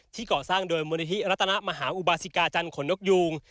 ที่ก่อสร้างโดยมนุษย์รัตนมหาอุบาสิกาจันทร์ขนนกยูง